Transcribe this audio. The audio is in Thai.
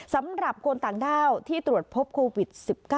สำหรับคนต่างด้าวที่ตรวจพบโควิด๑๙